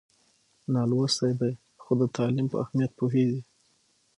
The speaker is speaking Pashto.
نالوستی دی خو د تعلیم په اهمیت پوهېږي.